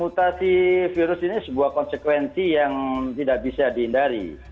mutasi virus ini sebuah konsekuensi yang tidak bisa dihindari